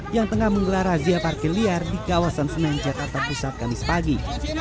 yang tengah menggelar razia parkir liar di kawasan senen jakarta pusat kamis pagi